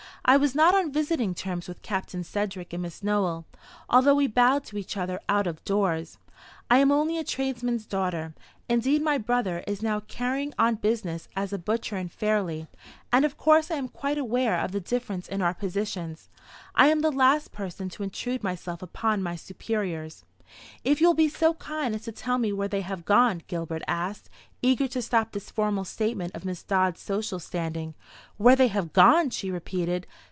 I was not on visiting terms with Captain Sedgewick and Miss Nowell, although we bowed to each other out of doors. I am only a tradesman's daughter indeed my brother is now carrying on business as a butcher in Fairleigh and of course I am quite aware of the difference in our positions. I am the last person to intrude myself upon my superiors." "If you will be so kind as to tell me where they have gone?" Gilbert asked, eager to stop this formal statement of Miss Dodd's social standing. "Where they have gone!" she repeated.